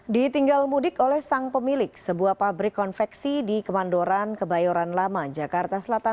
ditinggal mudik oleh sang pemilik sebuah pabrik konveksi di kemandoran kebayoran lama jakarta selatan